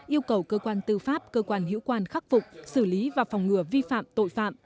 yêu cầu cơ quan tư pháp cơ quan hiệu quan khắc phục xử lý và phòng ngừa vi phạm tội phạm